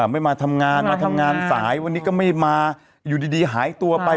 ไม่มาทำงานมาทำงานสายวันนี้ก็ไม่มาอยู่ดีหายตัวไป